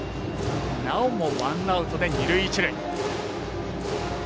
なおもワンアウトで二塁、一塁。